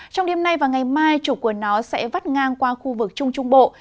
trong đêm nay và ngày mai chủ quần nó sẽ vắt ngang qua khu vực trung trung bộ